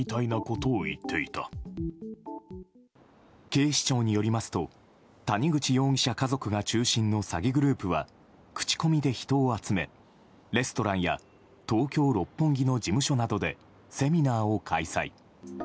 警視庁によりますと谷口容疑者家族が中心の詐欺グループは口コミで人を集めレストランや東京・六本木の事務所などでセミナーを開催。